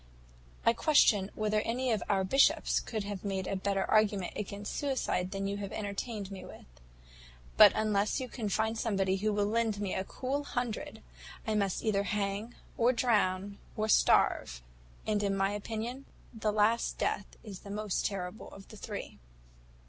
I question whether any of our bishops could make a better argument against suicide than you have entertained me with; but unless you can find somebody who will lend me a cool hundred, I must either hang, or drown, or starve; and, in my opinion, the last death is the most terrible of the three.'